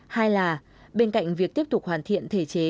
hai là bên cạnh việc tiếp tục hoàn thiện thể chế